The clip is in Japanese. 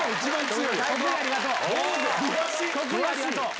徳井ありがとう！